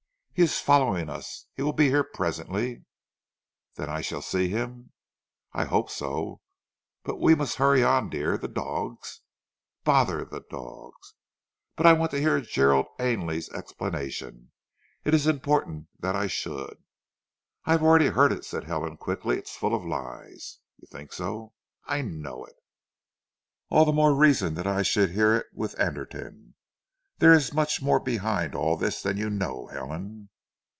"He is following us, he will be here, presently." "Then I shall see him?" "I hope so. But we must hurry on, dear. The dogs " "Bother the dogs ." "But I want to hear Gerald Ainley's explanation. It is important that I should." "I have already heard it," said Helen quickly. "It is full of lies." "You think so?" "I know it." "All the more reason that I should hear it with Anderton. There is much more behind all this than you know, Helen."